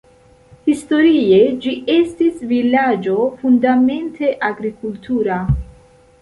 Historie ĝi estis vilaĝo fundamente agrikultura.